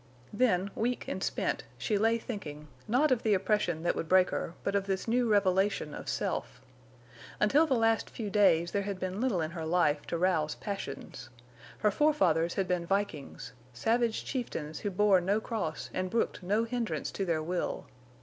Then, weak and spent, she lay thinking, not of the oppression that would break her, but of this new revelation of self. Until the last few days there had been little in her life to rouse passions. Her forefathers had been Vikings, savage chieftains who bore no cross and brooked no hindrance to their will.